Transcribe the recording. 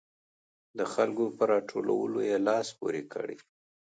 د خلکو په راټولولو لاس پورې کړي.